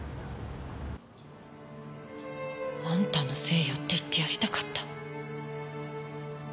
あんたのせいよって言ってやりたかった。